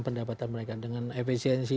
pendapatan mereka dengan efisiensi